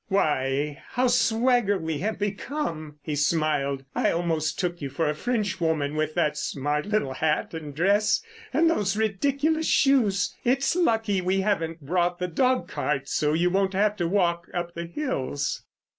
"Why, how swagger we have become," he smiled. "I almost took you for a Frenchwoman with that smart little hat and dress, and those ridiculous shoes! It's lucky we haven't brought the dogcart, so you won't have to walk up the hills."